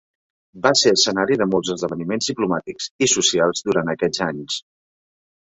Va ser escenari de molts esdeveniments diplomàtics i socials durant aquests anys.